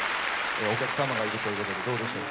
お客様がいるということでどうでしょうか？